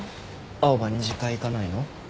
青羽２次会行かないの？